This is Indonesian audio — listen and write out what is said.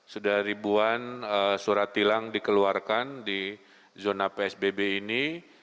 sudah ribuan surat tilang dikeluarkan di zona psbb ini